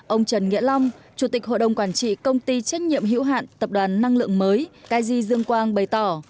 ông trần nghĩa long chủ tịch hội đồng quản trị công ty trách nhiệm hữu hạn tập đoàn năng lượng mới kz dương quang bày tỏ